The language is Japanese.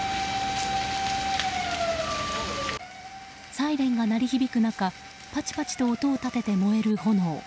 サイレンが鳴り響く中パチパチと音を立てて燃える炎。